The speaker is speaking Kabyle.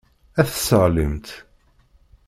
Ad t-tesseɣlimt.